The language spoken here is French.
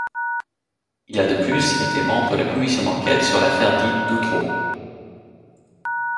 Il a de plus été membre de la commission d'enquête sur l'affaire dite d'Outreau.